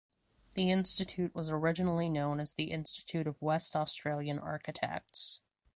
The Institute was originally known as the Institute of West Australian Architects.